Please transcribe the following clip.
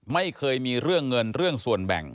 ไม่เคยมีเรื่องเงินเรื่องส่วนแบ่ง